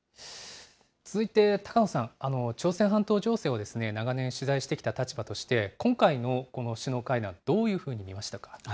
続いて高野さん、朝鮮半島情勢を長年取材してきた立場として、今回のこの首脳会談、どういうふうに見ましたか。